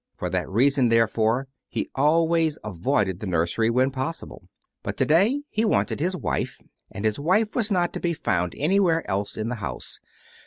For that reason, therefore, he always avoided the nursery when possible. But to day he wanted his wife, and his wife was not to be found anywhere else in the house.